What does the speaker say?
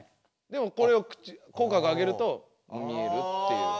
でもこれを口角上げると見えるっていう。